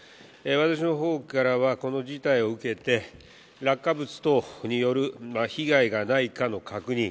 私の方からは、この事態を受けて落下物等による被害がないかの確認。